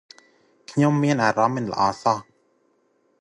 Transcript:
ខ្ញុំមានអារម្មណ៌មិនល្អសោះ ។